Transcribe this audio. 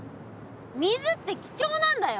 水って貴重なんだよ。